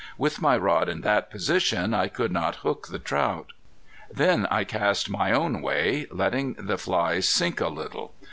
With my rod in that position I could not hook the trout. Then I cast my own way, letting the flies sink a little.